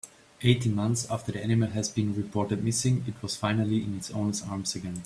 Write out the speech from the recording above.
Eighteen months after the animal has been reported missing it was finally in its owner's arms again.